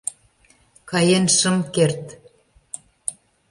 Каен шым керт.